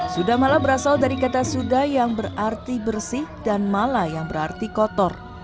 sudamala berasal dari kata sudai yang berarti bersih dan malaya yang berarti kotor